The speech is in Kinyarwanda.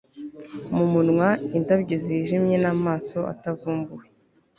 numunwa indabyozijimye namaso atavumbuwe